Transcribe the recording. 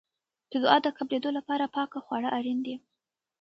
د دعا د قبلېدو لپاره پاکه خواړه اړین دي.